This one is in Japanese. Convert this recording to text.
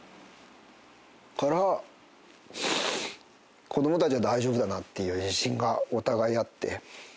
から子どもたちは大丈夫だなっていう自信がお互いあって。